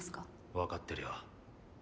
わかってるよ。